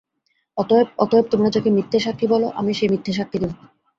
অতএব– অতএব তোমরা যাকে মিথ্যে সাক্ষি বল আমি সেই মিথ্যে সাক্ষি দেব।